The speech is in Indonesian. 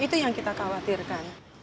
itu yang kita khawatirkan